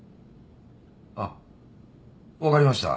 あっ分かりました。